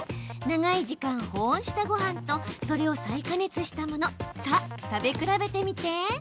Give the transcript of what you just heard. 長い時間保温したごはんとそれを再加熱したものさあ食べ比べてみて！